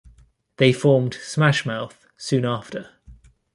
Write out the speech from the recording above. They formed Smash Mouth soon after.